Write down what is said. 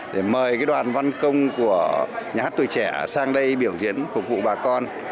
để mời đoàn văn công của nhà hát tuổi trẻ sang đây biểu diễn phục vụ bà con